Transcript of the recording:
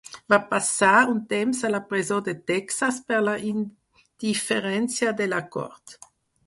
Va passar un temps a la presó de Texas per la indiferència de la cort.